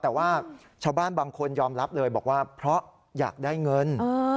แต่ว่าชาวบ้านบางคนยอมรับเลยบอกว่าเพราะอยากได้เงิน